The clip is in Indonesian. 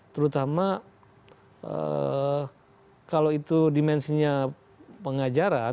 terutama kalau itu dimensinya pengajaran